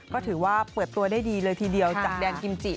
ก็ถือว่าเปิดตัวได้ดีเลยทีเดียวจากแดนกิมจิ